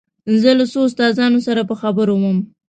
زه له څو استادانو سره په خبرو وم.